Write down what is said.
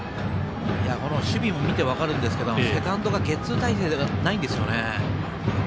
守備を見ても分かるんですけどセカンドがゲッツー態勢ではないんですよね。